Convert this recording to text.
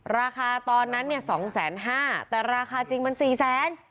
ราคาตอนนั้นเนี่ยสองแสนห้าแต่ราคาจริงมันสี่แสน